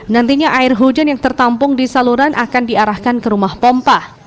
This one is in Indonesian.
nantinya air hujan yang tertampung di saluran akan diarahkan ke rumah pompa